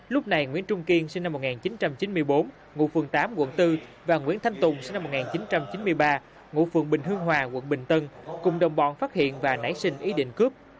lúc này nguyễn trung kiên sinh năm một nghìn chín trăm chín mươi bốn ngụ phường tám quận bốn và nguyễn thanh tùng sinh năm một nghìn chín trăm chín mươi ba ngụ phường bình hương hòa quận bình tân cùng đồng bọn phát hiện và nảy sinh ý định cướp